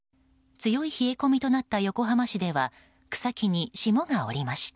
強い冷え込みとなった横浜市では草木に霜が降りました。